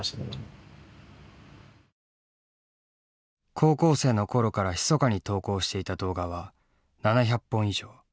高校生の頃からひそかに投稿していた動画は７００本以上。